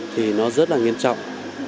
thì nó rất là nghiêm trọng